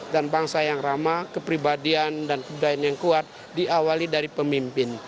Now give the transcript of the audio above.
dan bangsa yang ramah kepribadian dan kebudayaan yang kuat diawali dari pemimpin